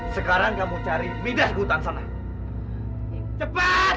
sekarang kamu cari midas gutan sana cepat